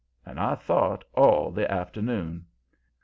And I thought all the afternoon.